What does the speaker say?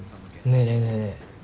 ねえねえねえねえ